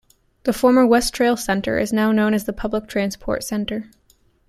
The former Westrail Centre is now known as the Public Transport Centre.